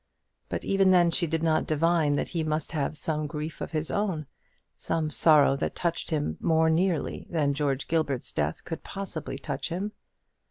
But even then she did not divine that he must have some grief of his own some sorrow that touched him more nearly than George Gilbert's death could possibly touch him.